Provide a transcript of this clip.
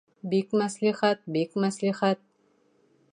— Бик мәслихәт, бик мәслихәт.